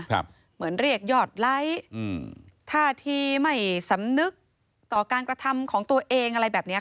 เหมือนเรียกยอดไลค์อืมท่าทีไม่สำนึกต่อการกระทำของตัวเองอะไรแบบเนี้ยค่ะ